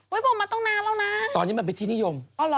ไวป่อมาต้องนานแล้วนะตอนนี้มันเป็นพิธีนิยม